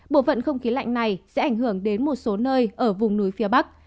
bộ phận không khí lạnh này sẽ ảnh hưởng đến một số nơi ở vùng núi phía bắc